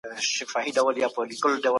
دغه کڅوڼه د چا دپاره ده؟